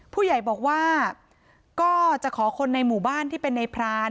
ผู้ใหญ่บอกว่าก็จะขอคนในหมู่บ้านที่เป็นในพราน